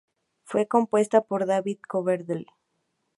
Fue compuesta por David Coverdale.